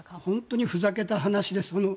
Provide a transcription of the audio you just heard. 本当にふざけた話です。